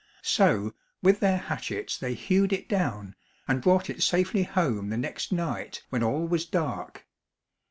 So, with their hatchets they hewed it down and brought it safely home the next night when all was dark.